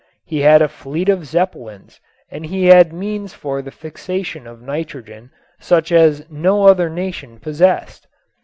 He had a fleet of Zeppelins and he had means for the fixation of nitrogen such as no other nation possessed.